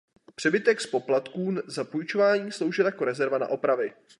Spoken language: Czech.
Přebytek z poplatků za půjčování sloužil jako rezerva na opravy.